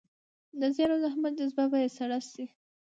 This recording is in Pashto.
د زیار او زحمت جذبه به يې سړه شي.